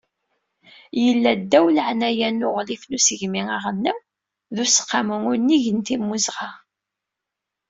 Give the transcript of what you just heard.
Yella-d, ddaw leɛnaya n Uɣlif n usegmi aɣelnaw d Useqqamu Unnig n Timmuzɣa.